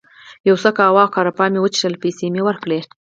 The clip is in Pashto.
یو څه قهوه او ګراپا مې وڅښل، پیسې مې یې ورکړې.